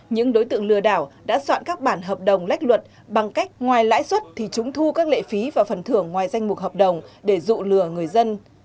những đối tượng lừa đảo đã soạn các bản hợp đồng lách luật bằng cách ngoài lãi suất thì chúng thu các lệ phí và phần thưởng ngoài danh mục hợp đồng để dụ lừa người dân